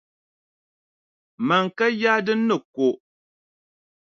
Mani ka yaa din ni ko.